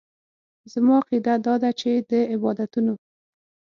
زما عقیده داده چې د عبادتونو.